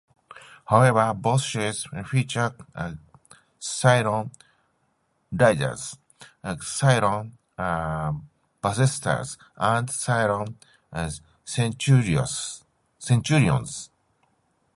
However, both series feature Cylon Raiders, Cylon Basestars and Cylon Centurions.